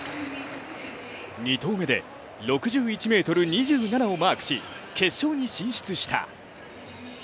２投目で６１ｍ２７をマークし決勝に進出した。